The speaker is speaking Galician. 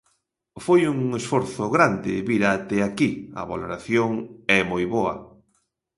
Foi un esforzo grande vir até aquí, a valoración é moi boa.